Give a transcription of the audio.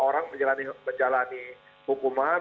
orang menjalani hukuman